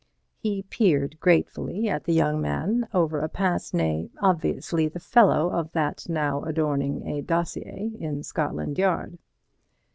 He peered gratefully at the young man over a pince nez obviously the fellow of that now adorning a dossier in Scotland Yard.